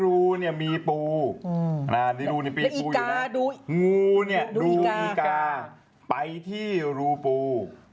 คูนามีรูในรูมีปู่งูดูอีกาไปที่รูปู่